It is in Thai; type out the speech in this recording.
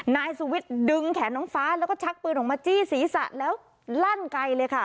นายสุวิทย์ดึงแขนน้องฟ้าแล้วก็ชักปืนออกมาจี้ศีรษะแล้วลั่นไกลเลยค่ะ